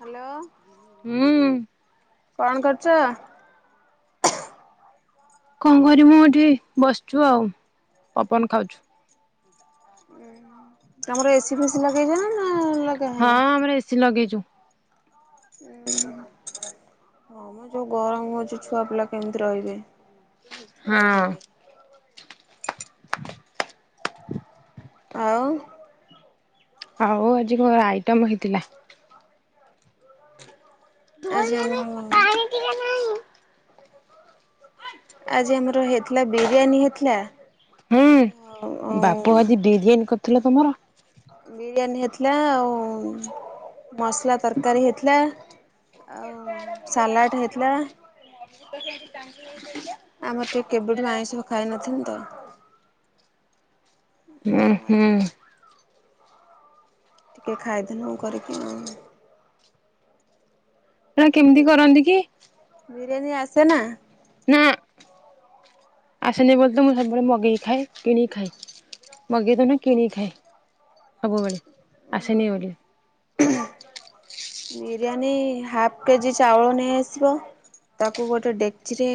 Hello ହୁଁ କଣ କରୁଛ? କଣ କରିବୁ ଏଠି ବସିଛୁ ଆଉ ପବନ ଖାଉଛୁ। ଉଁ ତମର ଏ ସି ଫେସି ଲଗେଇଛ ନା ଲଗା ହଁ ହେଇନି? ଆମର ଏସି ଲଗେଇଛୁ। ଓହୋ ମ ଯୋଉ ଗରମ ହଉଛି ଛୁଆ ପିଲା କେମିତି ରହିବେ ହଁ। ରହିପାରିବେ। ଆଉ ଆଉ ଆଜି କଣ ଆଇଟମ ହେଇଥିଲା? ଧୋଇ ଆଜି ଆମର ହେବି ପାଣି ଟିକେ ନାହିଁ। ଥିଲା ବିରିୟାନୀ ହେଇଥିଲା। ହୁଁ ଆଉ ଆଉ ବାପୁ ଆଜି ବିରିୟାନୀ କରି ଥିଲେ ତମର ବିରିୟାନୀ ହେଇଥିଲା ଆଉ ମସଲା ତରକାରୀ ହେଇଥିଲା ଆଉ ସାଲାଡ଼ ହେଇଥିଲା। [unintelligible] ଆମର ଟିକେ କେବେଠୁ ଆଇଁଷ ଖାଇନଥିଲୁ ତ। ଓ ଉଁ ହୁଁ ଆଚ୍ଛା। ଟିକେ ଖାଇଦେଲୁ କରିକି ଆଉ ଟା କେମିତି କରନ୍ତି କି? ବିରିୟାନୀ ଆସେ ନା। ନା ଆସନି ବୋଲି ତ ମୁଁ ସବୁବେଳେ ମଗେଇି ଖାଏ କିଣିକି ଖାଏ ମଗେଇ ତ ନାଇ କିଣିକି ଖାଏ ସବୁବେଳେ। ଆସେନି ବୋଲି। ବିରିୟାନୀ ହାପ କେଜି ଚାଉଳ ନେଇ ଆସିବ ତାକୁ ଗୋଟେ ଡେକଚିରେ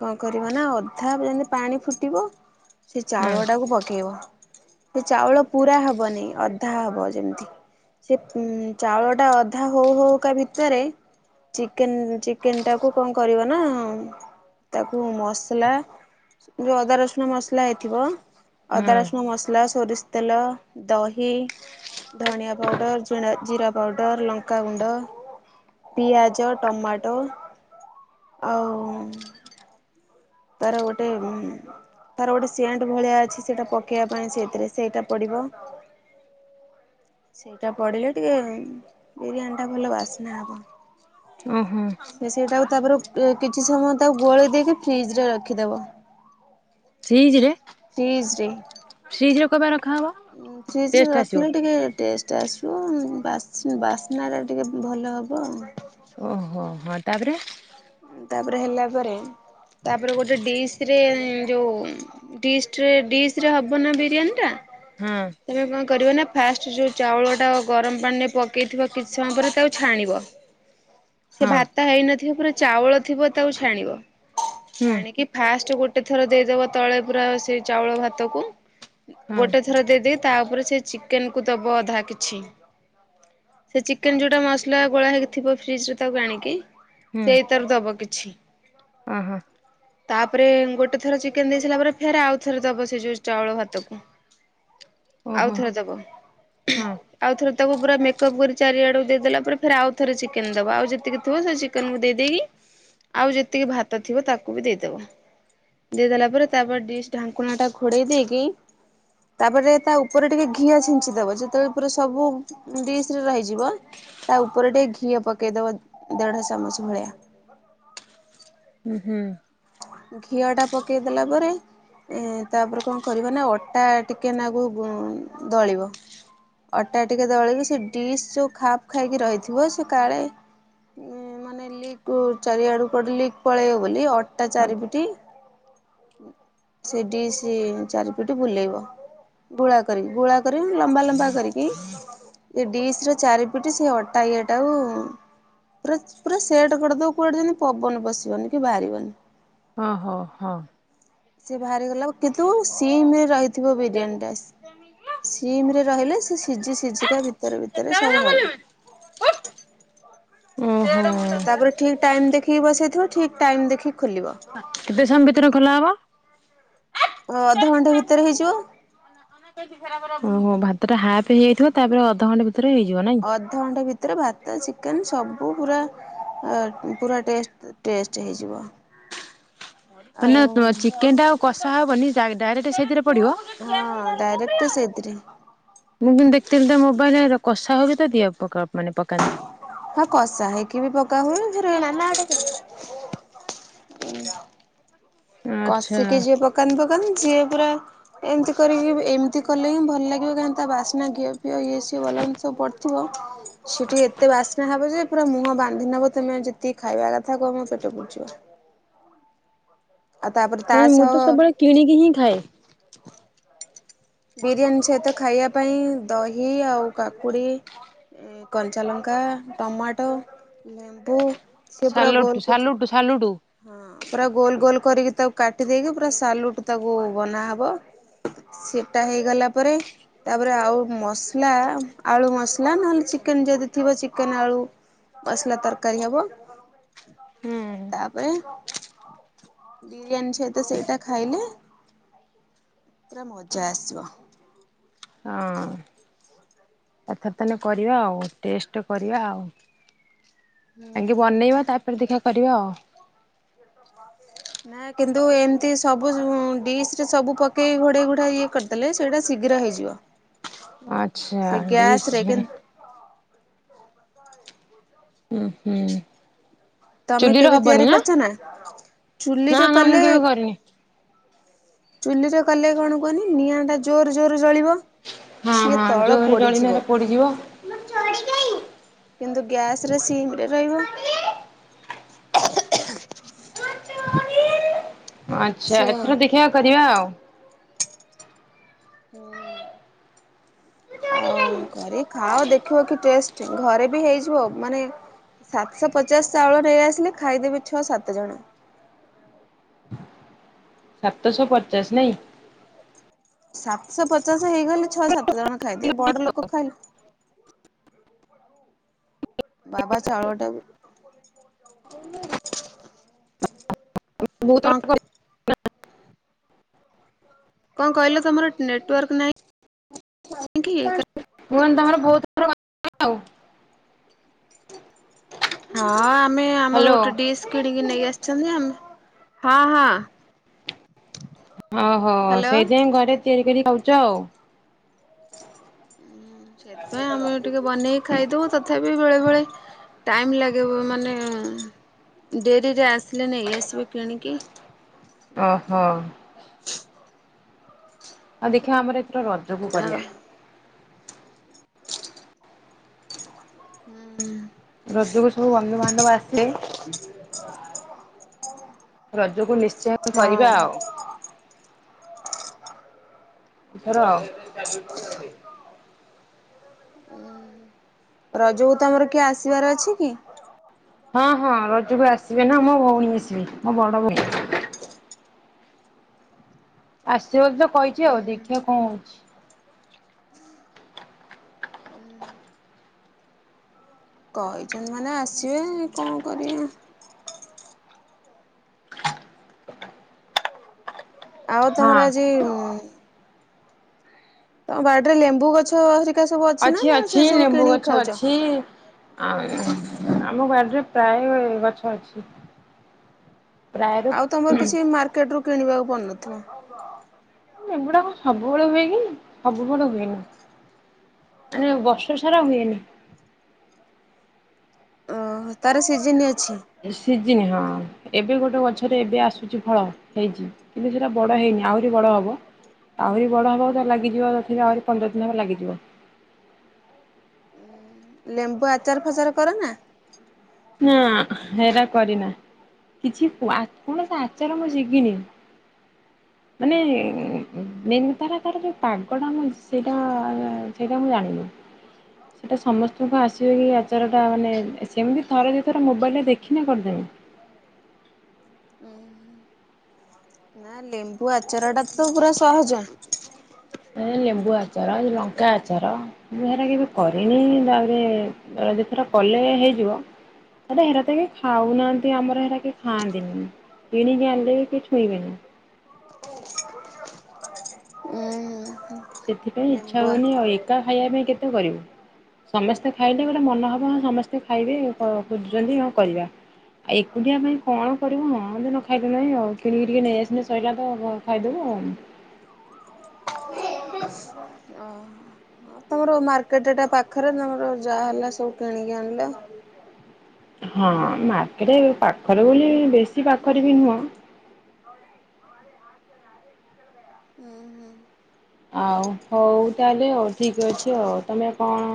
କଣ କରିବ ନା ଅଧା ଯେମିତି ପାଣି ଫୁଟିବ ସେ ହଁ ଚାଉଳ ଟାକୁ ପକେଇବ ସେ ଚାଉଳ ପୁରା ହବନି ଅଧା ହବ ଯେମିତି ସେ ଉ ଚାଉଳ ଟା ଅଧା ହଉ ହଉକା ଭିତରେ ଚିକେନ ଚିକେନ ଟାକୁ କଣ କରିବ ନା ତାକୁ ମସଲା ଯୋଉ ଅଦା ରସୁଣ ମସଲା ହେଇଥିବ ଅଦା ହଁ ରସୁଣ ମସଲା ସୋରିଷ ତେଲ ଦହି ହି ଧନିଆ ପାଉଡ଼ର ଜିଣା ଜିରା ପାଉଡ଼ର ଲଙ୍କା ଗୁଣ୍ଡ ପିଆଜ ଟମାଟୋ ଆଉ ଉଁ ତାର ଗୋଟେ ଉଁ ତାର ଗୋଟେ ସେଣ୍ଟ ଭଳିଆ ଅଛି ସେଇଟା ପକେଇଆ ପାଇଁ ସେଇଥିରେ ସେଇଟା ପଡିବ। ସେଇଟା ପଡିଲେ ଟିକେ ଉଁ ବିରିୟାନୀ ଟା ଭଲ ବାସ୍ନା ହବ ଓହୋ ସେ ସେଇଟାକୁ ତାପରେ ଉ କିଛି ସମୟ ତାକୁ ଗୋଳେଇ ଦେଇକି ଫ୍ରିଜ ରେ ରଖି ଦବ। ଫ୍ରିଜରେ ଫ୍ରିଜରେ। ଫ୍ରିଜରେ କଣ [unintelligible] ର ଉଁ ଫ୍ରିଜରେ ରଖିଲେ ଟିକେ ଟେଷ୍ଟ ଷ୍ଟ ଆସିବ ଉଁ ବାସ ବାସ୍ନାଟା ଟିକେ ଭଲ ହବ ଆଉ। ଓହୋ ହଁ ତାପରେ ତାପରେ ହେଲା ପରେ ତାପରେ ଗୋଟେ ଡିସ ରେ ଉଁ ଯୋଉ ଡିସ ରେ ଡିସ ରେ ହବ ନା ବିରିୟାନୀ ଟା। ହଁ। ତମେ କଣ କରିବ ନା ଫାଷ୍ଟ ଯୋଉ ଚାଉଳ ଟା ଗରମ ପାଣିରେ ପକେଇ ଥିବ କିଛି ସମୟ ପରେ ତାକୁ ଛାଣିବ। ସେ ହଁ ଭାତ ହେଇନଥିବ ପୁରା ଚାଉଳ ଥିବ ତାକୁ ଛାଣିବ। ହୁଁ ଛାଣିକି ଫାଷ୍ଟ ଗୋଟେ ଥର ଦେଇଦବା ତଳେ ପୁରା ସେଇ ଚାଉଳ ଭାତକୁ ହଁ ଗୋଟେ ଥର ଦେଇ ଦେଇ ତା ଓପରେ ସେ ଚିକେନ କୁ ଦବ ଅଧା କିଛି ସେ ଚିକେନ ଯୋଉଟା ମସଲା ଗୋଳା ହେଇକିଥିବ ଫ୍ରିଜ ରେ ତାକୁ ଆଣିକି ସେଇ ତାରୁ ଦବ କିଛି ହଁ ହଁ। ତାପରେ ଗୋଟେ ଥର ଚିକେନ ଦେଇ ସାରିଲା ପରେ ଫେରେ ଆଉ ଥର ଦବ ସେଇ ଯୋଉ ଚାଉଳ ଭାତକୁ। ଓହୋ ଆଉଥରେ ଦବ। ହଁ ଆଉ ଥରେ ତାକୁ ପୁରା ମେକପ୍ କରି ଚାରିଆଡକୁ ଦେଇଦେଲା ପରେ ଆଉ ଥରେ ଚିକେନ ଦବା ଆଉ ଯେତିକି ଥିବ ସେ ଚିକେନକୁ ଦେଇଦେଇକି ଆଉ ଯେତିକି ଭାତ ଥିବ ତା କୁ ବି ଦେଇଦବ ଦେଇଦେଲା ପରେ ତାପରେ ଡିସ୍ ଢାଙ୍କୁଣା ଟା ଘୋଡେଇ ଦେଇକି ତାପରେ ତା ଉପରେ ଟିକେ ଘିଅ ଛିଞ୍ଚିଦବ ଯେତେବେଳେ ପୁରା ସବୁ ଡିସ୍ ରେ ରହିଯିବ ତା ଉପରେ ଟିକେ ଘିଅ ପକେଇଦବ ଦେଢ ଚାମଚ ଭଳିଆ ହୁଁ ହୁଁ। ଘିଅ ଟା ପକେଇ ଦେଲା ପରେ ତାପରେ କଣ କରିବ ନା ଅଟା ଟିକେ ନାଗୁ ଦଳିବ ଅଟା ଟିକେ ଦଳିକି ସେ ଡିସ୍ ଯୋଉ ଖାପ ଖାଇକି ରହିଥିବ ସେ କାଳେ ଉ ମାନେ ଲିକ ଚାରିଆଡକୁ କୁଆଡ଼େ ଲିକ୍ ପଳେଇବ ବୋଲି ଅ ଆଟା ଚାରିପେଟି ସେ ଡିସ୍ ଚାରିପେଟି ବୁଲେଇବ ଗୁଳା କରିକି ଗୁଳା କରିକି ଲମ୍ବା ଲମ୍ବା କରିକି ସେ ଡିସ ର ଚାରିପେଟି ସେ ଅଟା ଇଏ ଟାକୁ ପୁରା ପୁରା ସେଟ କରିଦବୁ କୁଆଡେ ଯେମିତି ପବନ ବସିବନି କି ବାହାରିବନି। ହଁ ହୋ ହଁ। ସିଏ ବାହାରିଗଲା କୁ କିନ୍ତୁ ସିଇମ୍ ରେ ରହି ଥିବ ବିରିୟାନୀ ଟା ସିମରେ ରହିଲେ ସିଜି ସିଜିକା ଭିତରେ ଭିତରେ ସବୁ ହବ। ଆଉ ତାପରେ ଠିକ ଟାଇମ ଦେଖି [unintelligible] ବସେଇଥିବ ଠିକ ଟାଇମ ଦେଖି କେତେ ସମୟ ଭିତରେ ଖୋଲା ହବ? ଓ ଅଧଘଣ୍ଟା ଭିତରେ ହେଇଯିବ। ତ ଟା ହାପ୍ ହେଇଯାଇଥିବ ତାପରେ ଅଧଘଣ୍ଟେ ଭି ଅଧଘଣ୍ଟେ ଭିତରେ ଭାତ ଚିକେନ ସବୁ ପୁରା ପୁରା ଟେଷ୍ଟ ଟେଷ୍ଟ ହେଇଯିବ। ଆଉ ମାନେ ଚିକେନ ଟା ଆଉ କଷା ହବନି ଡାଇ ଡାଇରେକ୍ଟ ସେଇତିରେ ହଁ ଡାଇରେକ୍ଟ ସେଇତିରେ। [unintelligible] କଷା [unintelligible] ଦିିବା ପକା। ମାନେ ପକାନ୍ତି। ହଁ କଷା ହେଇକି ବି ପକା ହୁଏ। ଯେ [inaudible] ଆଚ୍ଛା କସିକି ଯିଏ ପକାନ୍ତି ପ [unintelligible] ଯିଏ ପୁରା ଏମିତି କରି ଏମିତି କଲେ ହିଁ ଭଲ ଲାଗିବ କାହିଁକି ତା ବାସ୍ନା ଘିଅ ପିଅ ଇଏ ସିଏ ଭଲ ସବୁ ପଡିଥିବ ସେ ଟିକେ ଏତେ ବାସ୍ନା ହବ ଯେ ପୁରା ମୁହଁ ବାନ୍ଧି ନବ ତମେ ଯେତିକି ଖାଇବା କଥା କୁହ ମୋ ପେଟ ପୁରିଜିବ। ନଁ ମୁଁ ସହ ତ ସବୁବେଳେ କିଣିକି ହିଁ ଖାଏ। [unintelligible] ବିରିୟାନୀ ସହିତ ଖାଇଆ ପାଇଁ ଦହି ଆଉ କାକୁଡ଼ି ଆଁ କଞ୍ଚାଲଙ୍କା ଟମାଟୋ ଲେମ୍ବୁ ସିଏ ପୁରା ଗୋଲ ସାଲୁଟ୍ ଗୋଲ ସାଲୁଟୁ ସାଲୁଟୁ ହଁ ପୁରା ଗୋଲ ଗୋଲ କରିକି ତାକୁ କାଟି ଦେଇେଇକି ପୁରା ସାଲୁଟ୍ ତାକୁ ବନା ହବ ସେଟା ହେଇଗଲା ପରେ ତାପରେ ଆଉ ମସଲା ଆଳୁ ମସଲା ନହେଲେ ଚିକେନ୍ ଯଦି ଥିବ ଚିକେନ ଆଳୁ ମସଲା ତରକାରୀ ହେବ। ହୁଁ। ତା ପରେ ବିରିୟାନୀ ସହିତ ସେଇଟା ଖାଇଲେ ପୁରା ମଜା ଆସିବ। ହଁ ଏଥର ତାନେ କରିବା ଆଉ ଟେଷ୍ଟ କରିବା ଆଉ। ହୁଁ ଆଗେ ବନେଇବା ତା ପରେ ଦେଖା। ପରିବା। ନା କିନ୍ତୁ ଏମତି ସବୁ ଡିସ ରେ ସବୁ ପକେଇ ଘୋଡେଇ ଘୋଡା ଇଏ କରିଦେଲେ ସେଇଟା ଶୀଘ୍ର ହେଇଯିବ। ଆଚ୍ଛା ସେ ଗ୍ୟାସ ଦିସ୍ ରେ ମାଇ ହୁଁ ହୁଁ। ତମେ ଚୁଲିରେ କେବେ ହବନି ତିଆରି କରିଛ ନା। ନା ଚୁଲିରେ ନା ମୁଁ କଲେ କେବେ କରିନି। ଚୁଲିରେ କଲେ କଣ କୁହନି ନିଆଁ ଟା ଜୋରେ ଜୋରେ। ହଁ ହଁ ଜୋରରେ ଜଳିରେ ପୋଡିଯିବ ହେରା ପୋଡିଯିବ। ମୋ ଚଡ଼ି କାଇଁ କିନ୍ତୁ ଗ୍ୟାସରେ ସିମ ରେ ରହିବ। ଆଚ୍ଛା ସିଏ ଏଥର ଦେଖିବା କରିବା ଆଉ। [inaudible] ହୁଁ ଆଉ କରି ଖାଅ ଦେଖିବ କି ଟେଷ୍ଟ ଘରେ ବି ହେଇଯିବ ମାନେ ସାତଶ ପଚାଶ ଚାଉଳ ନେଇଆସିଲେ ଖାଇଦେବି ଛଅ ସାତ ଜଣ। ସାତଶହ ପଚାଶ ନାଇଁ। ସାତଶ ପଚାଶ ହେଇଗଲେ ଛଅ ସାତ। ସାତ ଜଣ ଖାଇଦେବେ ବଡ ଲୋକ ଖାଇଲେ। ବାବା ଚାଉଳଟା। ମୁଁ ପାଙ୍କ କହିଲି କଣ କହିଲ ତମର ନେ ନେଟୱାର୍କ ନାହିଁ ହିଁକି। କୁହନ୍ ତମର ବହୁତର କ ଆଉ। ହଁ ଆ। ଆମେ ଆମର ହ୍ୟାଲୋ। ଗୋଟେ ଡିସ୍ କିଣିକି ନେଇ ଆସିଛନ୍ତି ଆମେ। ହଁ ହଁ। ଓହୋ ହ୍ୟାଲୋ ସେଇଥିପାଇଁ ଘରେ। ତିଆରି କରି ଖାଉଛ ଆଉ। ହଁ ସେଥିପାଇଁ ଆମେ ଟିକେ ବନେଇକି ଖାଇଦବୁ ତଥାପି ବେଳେ ବେଳେ ଟାଇମ୍ ଲାଗେ ମାନେ ଡେରିରେ ଆସିଲେ ନେଇ ଆସିବ କିଣିକି ଓ ହୋ ଆଉ ଦେଖିବା ଆମର ରଜକୁ ଆଉ କରିଆ। ହୁଁ। ରଜକୁ ସବୁ ବନ୍ଧୁ ବାନ୍ଧବ ଆସେ ରଜକୁ ନିଶ୍ଚୟ ହଁ କରିବା ଆଉ। ଏଇଥର ଉ ରଜକୁ ତମର କିଏ ଆସିବାର ଅଛି କି। ହଁ ହଁ ରଜକୁ ଆସିବେ ନା ମୋ ଭଉଣୀ ଆସିବେ ମୋ ବଡ ଭଉଣୀ। ଆସିବ ତ କହିଛି ଉଁ। ଆଉ ଦେଖିବା କଣ ହଉଛି। କହିଛନ୍ତି ମାନେ ଆସିବେ କଣ କରିବେ। ଆଉ ହଁ ତମର ଆଜି ତମ ବାଡରେ ଲେମ୍ବୁ ଗଛ ହରି ଅଛି ଅଛି ଲେମ୍ବୁ ଗଛ ଅଛି ଆଉ ଆମ ବାଡିରେ ପ୍ରାୟ ଗଛ ଅଛି। ପ୍ରାୟରୁ ଆଉ ତମର କିଛି ମାର୍କେଟ ରୁ କିଣିବାକୁ ପଡୁନଥିବ। ଏଗୁଡା କଣ ସବୁ ବେଳେ ହୁଏ କି ସବୁବେଳେ ହୁଏନି ମାନେ ବର୍ଷ ସାରା ହୁଏନି। ଓ ତାର ସିଜିନ ଅଛି। ସି ସିଜିନ ହଁ ଏବେ ଗୋଟେ ଗଛରେ ଏବେ ଆସୁଛି ଫଳ ହେଇଛି କିନ୍ତୁ ସେଟା ବଡ଼ ହେଇନି ଆହୁରି ବଡ଼ ହବ ଆହୁରି ବଡ଼ ହବ ତ ଲାଗିଯିବ ତଥାପି ଆହୁରି ପନ୍ଦର ଦିନ ହେବ ଲାଗିଯିବ। ଲେମ୍ବୁ ଆଚାର ପାଚାର କର ନା ନା ସେରା କରିନା କିଛି କୌଣସି ଆଚାର ମୁଁ ଯିବିନି ମାନେ ମେନର ତାର ଯୋଉ ପାଗଟା ସେଇଟା ସେଇଟା ମୁଁ ଜାଣିନି ସେଇଟା ସମସ୍ତଙ୍କୁ ଆସିବ ଆଚାରଟା ମାନେ ସେମିତି ଥରେ ଦିଥର ମୋବାଇଲ ରେ ଦେଖିନେ କରିଦେବି। ନା ଲେମ୍ବୁ ଆଚାରଟା ତ ପୁରା ସହଜ। ଲେମ୍ବୁ ଆଚାର ଲଙ୍କା ଆଚାର ମୁଁ ହେରା କେବେ କରିନି ତାପରେ ଏଇଥରେ କଲେ ହେଇଯିବ ତ ହେରା ତ କେହି ଖାଉନାହାଁନ୍ତି ଆମର ହେରା କେହି ଖାଆନ୍ତିନି କିଣିକି ଆଣିଲେ ବି ଛୁଇଁବେନି। ହୁଁ। [unintelligible] [inaudible] ସେଥିପାଇଁ ଇଚ୍ଛା ଲେମ୍ବୁଆ ହଉନି ଆଉ ଏକା ଖାଇବା ପାଇଁ କେତେ କରିବୁ ସମସ୍ତେ ଖାଇଲେ ଗୋଟେ ମନେ ହବ ସମସ୍ତେ ଖାଇବେ ଖୋଜୁଛନ୍ତି ହଁ କରିବା ଆଉ ଏକୁଟିଆ ପାଇଁ କଣ କରିବୁ ହଁ ନ ଖାଇଲେ ନାହିଁ ଆଉ କିଣ କିିି ଟିକେ ନେଇ ଆସିନେ ସରିଲା ତ ଖାଇଦବୁ ଆଉ ଓ ତମର ମାର୍କେଟ ଟା ପାଖରେ ତମର ଯାହା ହେଲା ସବୁ କିଣିକି ଆଣିଲ ହଁ ମାର୍କେଟ ପାଖରେ ବୋଲି ବେଶୀ ପାଖରେ ବି ନୁହଁ। ହୁଁ ହୁଁ। ଆଉ ହଉ ତାହେଲେ ହଉ ଠିକ୍ ଅଛି ହଉ ତମେ କଣ‌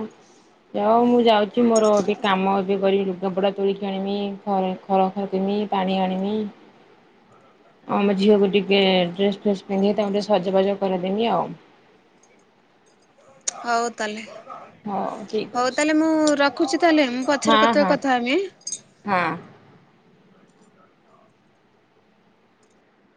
ଯାଓ ମୁଁ ଯାଉଛି ମୋର ଏବେ କାମ ଏବେ କରି ଲୁଗାପଟା ତୋଳିକି ଆଣିବି ଘର ଖର କିମି ପାଣି ଆଣିବି ଆ ଆମ ଝିଅକୁ ଟିକେ ଡ୍ରେସ ଫ୍ରେସ ପିନ୍ଧେଇ ତାଙ୍କୁ ଟିକେ ସଜବାଜ କରାଦେନି ଆଉ ହଉ ତାହେଲେ। ହଉ ଠିକ୍ ହଉ ଅଛି ତାହେଲେ ମୁଁ ରଖୁଛି ତାହେଲେ ମୁଁ ହଁ ପଛରେ କେତେବେ ହଁ କଥା ହେବି ହଁ